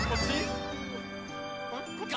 こっち？